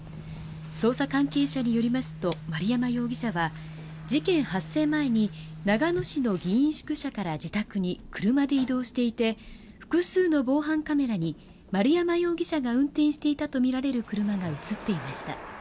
捜査関係者によりますと丸山容疑者は事件発生前に長野市の議員宿舎から自宅に車で移動していて複数の防犯カメラに丸山容疑者が運転していたとみられる車が映っていました。